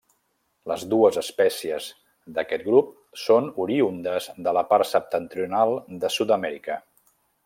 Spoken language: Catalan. Les dues espècies d'aquest grup són oriündes de la part septentrional de Sud-amèrica.